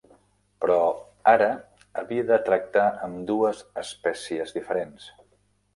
Però ara havia de tractar amb dues espècies diferents.